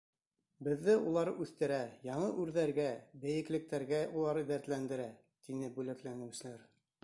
Беҙҙе улар үҫтерә, яңы үрҙәргә, бейеклектәргә улар дәртләндерә, — тине бүләкләнеүселәр.